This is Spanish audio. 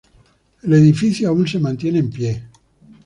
El edificio aún se mantiene en pie.